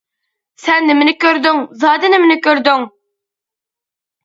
سەن نېمىنى كۆردۈڭ، زادى نېمىنى كۆردۈڭ؟ !